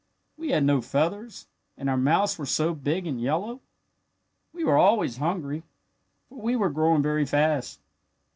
We had no feathers, and our mouths were so big and yellow. "We were always hungry, for we were growing very fast.